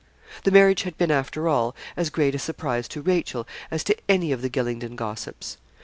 The marriage had been, after all, as great a surprise to Rachel as to any of the Gylingden gossips.